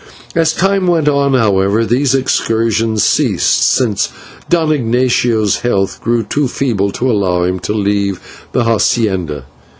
As time went on, however, these excursions ceased, since Don Ignatio's health grew too feeble to allow him to leave the /hacienda